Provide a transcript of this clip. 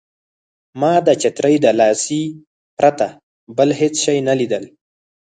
ما د چترۍ د لاسۍ پرته بل هېڅ شی نه لیدل.